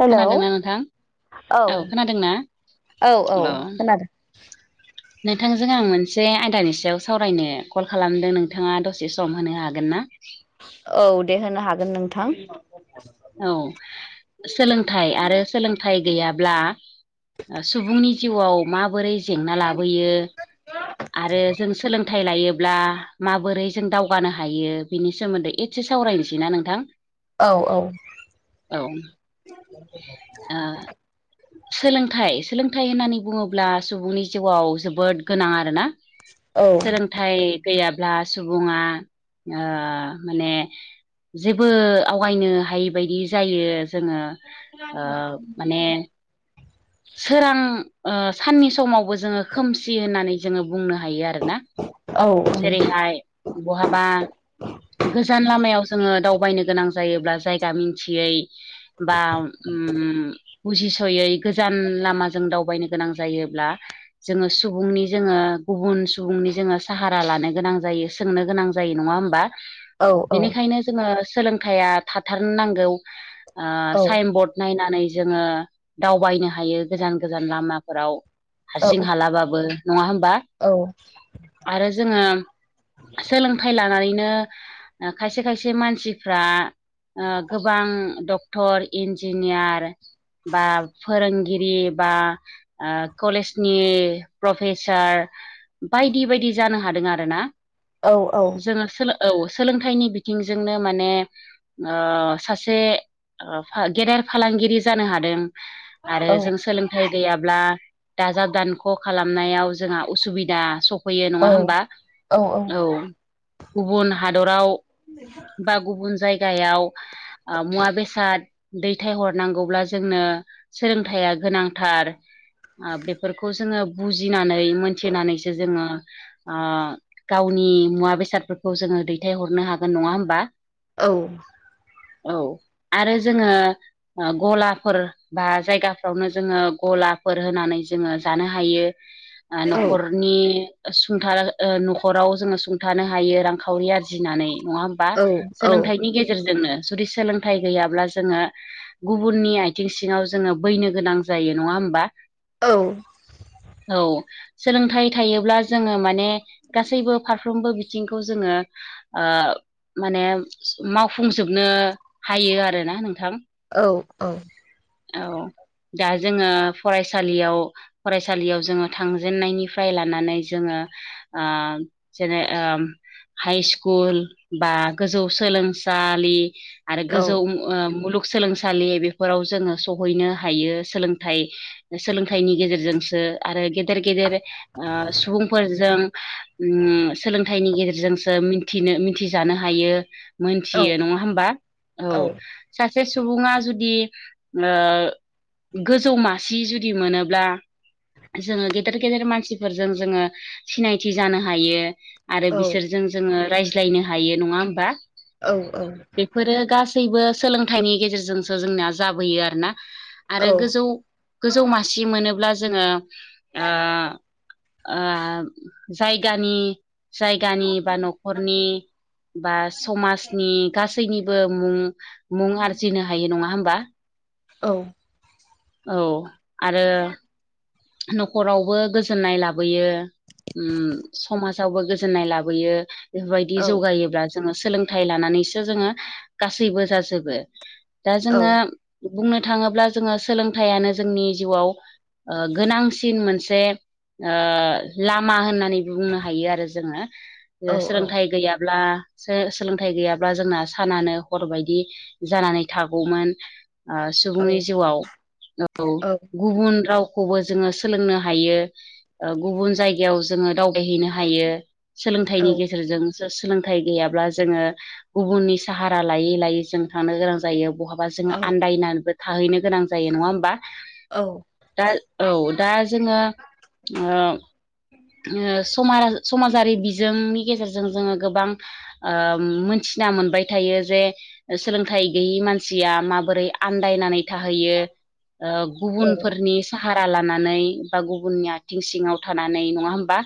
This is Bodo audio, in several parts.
हेलौ खोनादोंना नोंथां औ औ औ खोनादों। नोंथांजों आं मोनसे आयदानि सायाव सावरायनो कल खालामदों नोंथाङा दसे सम होनो हागोन ना? औ दे होनो हागोन नोंथां। औ सोलोंथाइ आरो सोलोंथाइ गैयाब्ला ओ सुबुंनि जिउआव माबोरै जेंना लाबोयो? आरो जों सोलोंथाइ लायोब ब्ला माबोरै जों दावगानो हायो बिनि सोमोन्दै एसे सावरायनोसै ना नोंथां? औ औ औ ओ सोलोंथाइ सोलोंथाइ होननानै बुङोब्ला सुबुंनि जिउआव जोबोद गोनां आरोना? औ सोलों थाइ गैयाब्ला सुबुङा ओ माने जेबो आवगायनो हायै बायदि जायो जोङो ओ माने सोरां ओ साननि समावबो जोङो खोमसि होननानै जोङो बुंनो हायो आरोना? औ जेरै हाय बहाबा गोजान लामायाव जोङो दावबायनो गोनां जायोब्ला जायगा मिन्थियै बा ओम बुजिस'यै गोजान लामाजों दावबायनो गोनां जायोब्ला जोङो सुबुंनि जोङो गुबुन सुबुंनि जोङो साहारा लानो गोनां जायो। सोंनो गोनां जायो नङा होमबा? औ बेनिखायनो जोङो सोलोंथाइया थाथार नांगौ ओ औ साइनबर्ड नायनानै जोङो दावबायनो हायो गोजान गोजान लामाफोराव औ हारसिं हालाबाबो नङा होमबा औ आरो जोङो सोलोंथ आय लानानैनो खायसे खायसे मानसिफ्रा ओ गोबां डॉक्ट डक्टर इन्जिनियार बा फोरोंगिरि बा ओ कलेजनि प्रफेसार बायदि बायदि जानो हादों आरोना औ औ जोङो सोलों औ सोलोंथाइनि बिथिंजोंनो माने ओ सासे गेदेर फालांगिरि जानो हादों। आरो जों सोलों थाय गैयाब्ला दाजाब दानख' खालामनायाव जोंहा उसुबिदा फैयो नङा होमबा औ गुबुन हादराव बा गुबुन जायगायाव ओ मुवा बेसाद दैथाय हरनांगौब्ला जोंनो सोलोंथाइया गोनांथार ओ बेफोरखौ जोङो बुजिनानै मोनथिनानैसो जोङो ओ गावनि मुवा बेसादफोरखौ जोङो दैथायहरनो हागोन नङा होमबा औ औ आरो जोङो गलाफोर बा जायगाफ्रावनो जोङो गलाफोर होनानै जोङो जानो हायो। ओ न'खरनि ओ संथानो ओ न'खराव जोङो सुंथानो हायो रांखावरि आरजिनानै नङा होम बा सोलोंथाइनि गेजेरजोंनो जुदि सोलोंथाइ गैयाब्ला जोङो गुबुननि आयथिं सिङाव जोङो बैनो गोनां जायो नङा होमबा। औ औ सोलोंथाइ थायोब्ला जोङो माने गासैबो फारफ्रोमबो बिथिंखौ जोङो ओ माने मावफुंजोबनो हायो आरोना नोंथां। औ औ औ दा जोङो फरायसालियाव फरायसालियाव जोङो थांजेननायनिफ्राय लानानै जोङो आ जेने ओम हाइ स्कुल बा गोजौ सोलोंसालि आरो गोजौ मुलुगसोलोंसालि बेफोराव जोङो सहैनो हायो सोलोंथाइ सोलोंथाइनि गेजेरजोंसो आरो गेदेर गेदेर सुबुंफोरजों सोलोंथा थायनि गेजेरजोंसो मिथिनो मिथिजानो हायो। मोनथियो नङा होमबा औ सासे सुबुङा जुदि गोजौ मासि जुदि मोनोब्ला जोङो गेदेर गेदेर मानसिफोरजों जोङो सिनायथि जानो हायो। आरो बिसोरजों जोङो रायज्लायनो हायो नङा होमबा औ औ बेफोरो गासैबो सोलोंथाइनि गेजेरजोंसो जोंनिया जाबोयो आरोना आरो गोजौ गोजौ मासि मोनोब्ला जोङो ओ। ओ जायगानि जायगानि बा न' खरनि बा समाजनि गासैनिबो मुं मुं आरजिनो हायो नङा होमबा। औ औ आरो न'खरावबो गोजोननाय लाबोयो ओम समाज फ्रावबो गोजोननाय लाबोयो बेफोरबायदि जौगायोब्ला जोङो सोलोंथाइ लानानैसो जोङो गासैबो जाजोबो। दा जोङो बुंनो थाङोब्ला जोङो सोलोंथाइयानो जोंनि जिउआव ओ गोनांसिन मोनसे ओ लामा होननानै बुंनो हायो आरो जोङो ओ सोलोंथाइ गैयाब्ला सो-सोलोंथाइ गैयाब्ला जोंना सानानो हर बायदि जानानै थागौमोन। ओ सुबुंनि जिउआव औ गुबुन राव खौबो जोङो सोलोंनो हायो, ओ गुबुन जायगायाव जोङो दावबायहैनो हायो। सोलोंथाइनि गेजेरजों सोलोंथाइ गैयाब्ला जोङो गुबुननि साहारा लायै लायै जों थांनो गोनां जायो बहाबा जोङो आन्दायनानैबो थाहैनो गोनां जायो नङा होमबा? औ दा औ दा जोङो ओ ओ समारा समाजारि बिजोंनि गेजेरजों जोङो गोबां ओ मोनथिना मोनबाय थायो जे सोलोंथाइ गैयि मानसिया माबोरै आन्दायनानै थाहैयो ओ गुबुनफोरनि साहारा लानानै बा गुबुननि आथिं सिङाव थानानै नङा होमबा?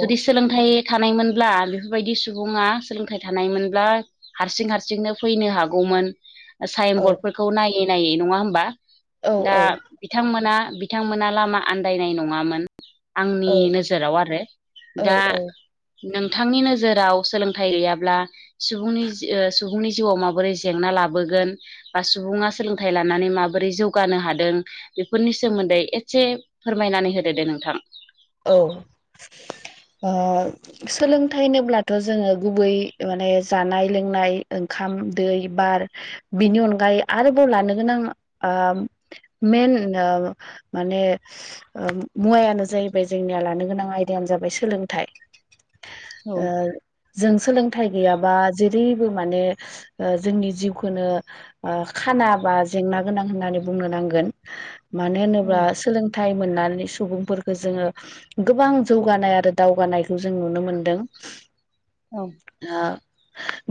जुदि सोलोंथाइ थानायमोनब्ला बेफोरबायदि सुबुङा सोलोंथाइ थानायमोनब्ला हारसिं हारसिंनो फैनो हागौमोन। साइन बरर्डफोरखौ नायै नायै नङा होमबा दा बिथांमोन ना बिथांमोना लामा आन्दायनाय नङामोन। आंनि नोजोराव आरो दा औ नोंथांनि नोजोराव सोलोंथाइ गैयाब्ला सुबुंनि जि- ओ सुबुंनि जिउआव माबोरै जेंना लाबोगोन, बा सुबुङा सोलोंथाइ लानानै माबोरै जौगानो हादों? फोरनि सोमोन्दै एसे फोरमायनानै होदो दे नोंथां। औ। ओ सोलोंथाइ होनोब्लाथ' जोङो गुबै माने जानाय लोंनाय ओंखाम दै बार बिनि अनगायै आरोबाव लानो गोनां आ मेन ओ माने ओ मुवाय आनो जाहै बाय जोंनिया लानो गोनां आयदायानो जाबाय सोलोंथाइ। औ ओ जों सोलोंथाइ गैयाबा जेरैबो माने ओ जोंनि जिउखौनो ओ खाना बा जेंना गोनां होननानै बुंनो नांगोन। मानो होनोब्ला सोलोंथाइ मोननानै सुबुंफोरखौ जोङो गोबां जौगानाय आरो दावगानायखौ जों नुनो मोनदों। औ ओ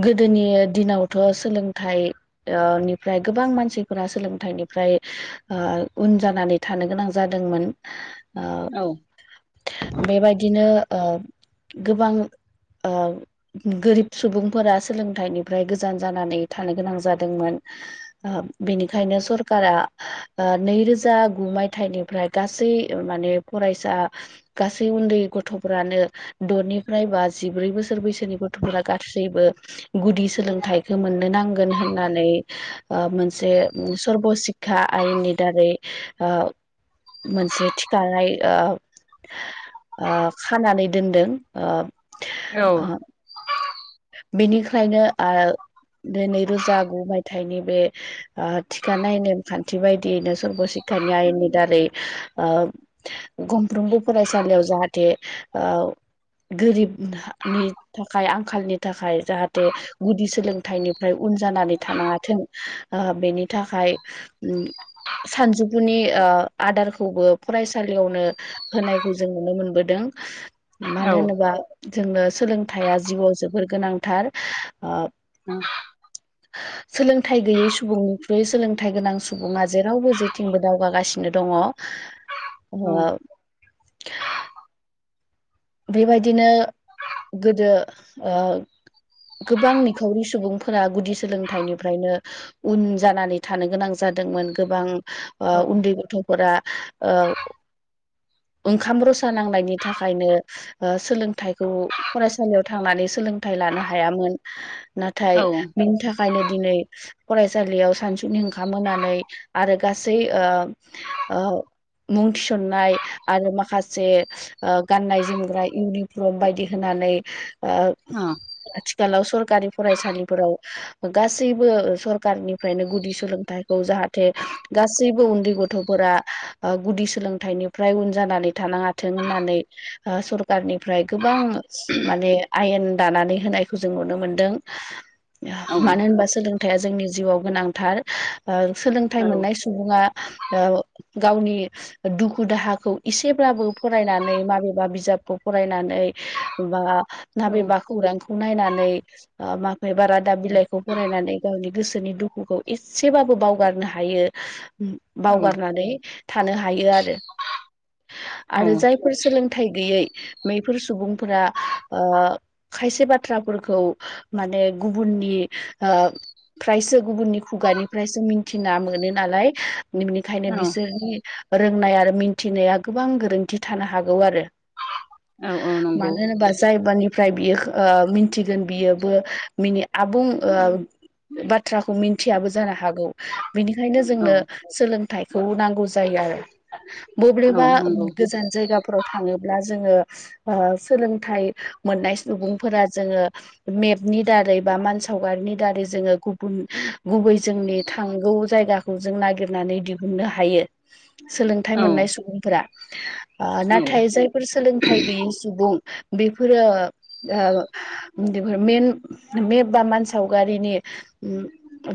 गोदोनि दिनावथ' सोलोंथाइ ओ निफ्राय गोबां मानसिफोरा सोलोंथाइनिफ्राय ओ उन जानानै थानो गोनां जादोंमोन। ओ औ बेबायदिनो ओ गोबां ओ गोरिब सुबुंफोरा सोलोंथाइनिफ्राय गोजान जानानै थानो गोनां जादोंमोन। आ बेनिखायनो सरकारा ओ नैरोजा गु मायथाइनिफ्राय गासै माने फरायसा गासै उन्दै गथ'फोरानो द'निफ्राय बा जिब्रै बोसोर बैसोनि गथ'फोरा गासैबो गुदि सोलोंथाइखौ मोननो नांगोन होननानै ओ मोनसे सर्ब सिक खा आयेननि दारै ओ मोनसे थिखानाय ओ ओ खानानै दोनदों ओ औ। ओ बेनिखायनो आरो नैरोजा गु मायथाइनि बे ओ थिखानाय नेमखान्थि बायदियैनो सर्बशिक्षानि आयेननि दारै ओ गंफ्रोमबो फरायसालियाव जाहाथे ओ गोरिबनि थाखाय आंखालनि थाखाय जाहाथे गुदि सोलोंथाइनिफ्राय उन जानानै थानाङाथों ओ बेनि थाखाय उम सानजौफुनि ओ आदारखौबो फरायसालियावनो होनायखौ जों नुनो मोनबोदों। औ मानो होनोबा जोंनो सोलोंथाइया जिउआव जोबोद गोनांथार ओ औ सोलोंथाइ गैयै सुबुंनिख्रुइ सोलोंथाइ गोनां सुबुङा जेरावबो जेथिंबो दावगागासिनो दङ'। [inaudible] औ [unintelligible] बेबायदिनो गोदो ओ गोबां निखावरि सुबुंफोरा गुदि सोलोंथाइनिफ्रायनो उन जानानै थानो गोनां जादोंमोन गोबां ओ औ उन्दै गथ' फोरा ओ ओंखाम रसा नांनायनि थाखायनो ओ सोलोंथाइखौ फरायसालियाव थांनानै सोलोंथाइ लानो हायामोन। नाथाय औ बेनि था खायनो दिनै फरायसालियाव सानसुनि ओंखाम होनानै आरो गासै ओ ओ मुं थिसननाय आरो माखासे ओ गाननाय जोमग्रा इउनिफ्रम बायदि होनानै ओ अ आथिखालाव सरकारि फरायसालिफोराव गासैबो ओ सरखारनिफ्रायनो गुदि सोलोंथाइखौ जाहाथे गासैबो उन्दै गथ'फोरा ओ गुदि सोलोंथाइनिफ्राय उन जानानै थानाङाथों होननानै ओ सरखारनिफ्राय गोबां माने आयेन दानानै होनायखौ जों नुनो मोनदों। औ मानो होनबा सोलोंथाया जोंनि जिउआव गोनांथार। ओ सोलोंथाइ मोननाय सुबुङा ओ गावनि दुखु दाहाखौ इसेब्लाबो फरायनानै माबे बा बिजाबखौ फरायनानै बा औ नाबेबा खौरांखौ नायनानै ओ माबेबा रादाब बिलाइखौ फरायनानै गावनि गोसोनि दुखुखौ इससेबाबो बावगारनो हायो। उम बावगारनानै थानो हायो आरो आरो जायफोर सोलों थाइ गैयै बेैफोर सुबुंफोरा ओ खायसे बाथ्राफोरखौ माने गुबुननि ओ फ्रायसो गुबुननि खुगानिफ्रायसो मिनथिना मोनो नालाय [unintelligible] ओंखायनो औ बिसोरनि रोंनाय आरो मिनथिनाया गोबां गोरोन्थि थानो हागौ आरो। औ औ नंगौ मानो होनोबा जायबानिफ्राय बियो खो ओ मिनथिगोन बियोबो मिनि आबुं ओ बाथ्राखौ मिनथियाबो जानो हागौ। बिनिखायनो औ जोंनो सोलोंथाइखौ नांगौ जायो आरो। औ बब्लेबा नंगौ गोजान जायगाफोराव थाङोब्ला जोङो ओ सोलोंथाइ मोननाय सुबुंफोरा जोङो मेपनि दारै बा मान सावगारिनि दारै जोङो गुबुन गुबै जोंनि थांगौ जायगाखौ खौ जों नागिरनानै दिहुननो हायो। सोलोंथाइ औ मोननाय सुबुंफोरा ओ औ नाथाय जाय फोर सोलोंथाइ गैयि सुबुं बेफोरो ओ उनदैफोर मेब मेप बा मानसाव गारिनि। उम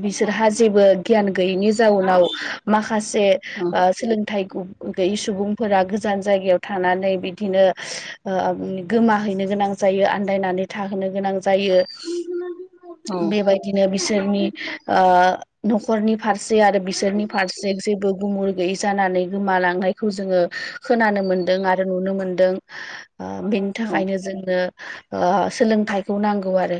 बिसोरहा जेबो गियान गैयनि जाउनाव माखासे औ ओ सोलोंथाइ गैयै सुबुंफोरा गोजान जायगायाव थानानै बिदिनो ओ गोमाहैनो गोनां जायो आन्दायनानै थाहोनो गोनां जायो। औ बेबायदिनो बिसोरनि ओ न'खरनि फारसे आरो बिसोरनि फारसे जेबो गुमुर गैयै जानानै गोमालांनाय खौ जोङो खोनानो मोनदों आरो नुनो मोनदों ओ बेनि थाखायनो जोङो ओ सोलोंथाइखौ नांगौ आरो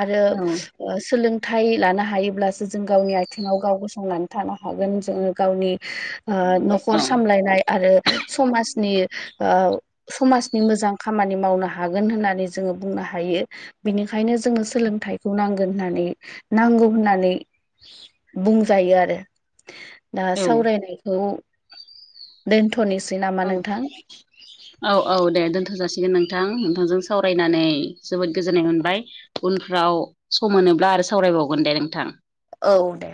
आरो औ ओ सोलोंथाइ लानो हायोब्लासो जों गावनि आथिङाव गाव गसंनानै थानो हागोन जोङो गावनि ओ न'खर सामलायनाय आरो समाजनि ओ समाजनि मोजां खामानि मावनो हागोन होननानै जोङो बुंनो हायो। बिनिखायनो जोङो सोलोंथाइखौ नांगोन होननानै नांगौ होननानै बुंजायो आरो। दा सावरायनायखौ दोनथ'निसै नामा नोंथां? औ दे दोनथ जासिगोन। दे नोंथां नोंथांजों सावरायनानै जोबोद गोजोननाय मोनबाय। उनफ्राव सम मोनोब्ला आरो सावरायबावगोन दे नोंथां। औ दे।